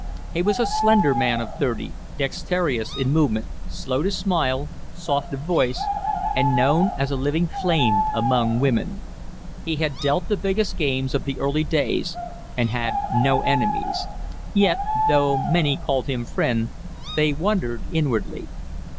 He was a slender man of thirty, dexterous in movement, slow to smile, soft of voice, and known as a living flame among women. He had dealt the biggest games of the early days, and had no enemies. Yet, though many called him friend, they wondered inwardly.